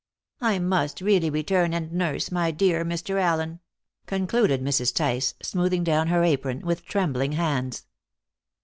I must really return and nurse my dear Mr. Allen," concluded Mrs. Tice, smoothing down her apron with trembling hands.